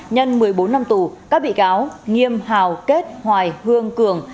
nhân một mươi bốn năm tù các bị cáo nghiêm hào kết hoài hương cường